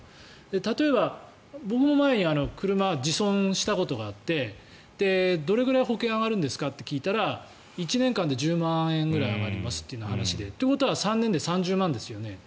例えば僕も前に車を自損したことがあってどれぐらい保険が上がるんですかと聞いたら１年間で１０万円くらい上がりますという話で。ということは３年で３０万円ですよね。